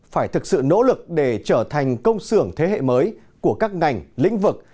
phải thực sự nỗ lực để trở thành công xưởng thế hệ mới của các ngành lĩnh vực